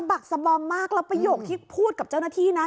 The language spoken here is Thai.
บักสบอมมากแล้วประโยคที่พูดกับเจ้าหน้าที่นะ